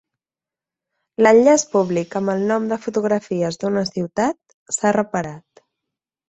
L'enllaç públic amb el nom de "Fotografies d'una ciutat" s'ha reparat.